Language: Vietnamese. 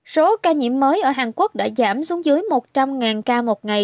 số ca nhiễm mới ở hàn quốc đã giảm xuống dưới một trăm linh ca một ngày